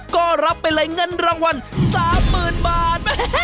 ก็รับไปไหลเงินรางวัลสามหมื่นบาท